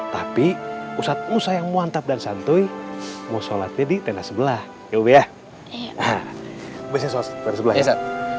tapi usatmu sayang muantab dan santuy mau sholatnya di tena sebelah ya ya